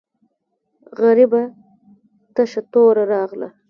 غریبه تشه توره راغله.